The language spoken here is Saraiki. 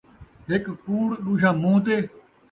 ہک کوڑ ، ݙوجھا مون٘ہہ تے